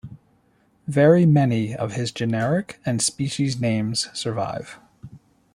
Very many of his generic and species names survive.